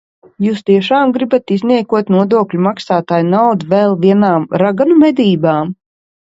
Jūs tiešām gribat izniekot nodokļu maksātāju naudu vēl vienām raganu medībām?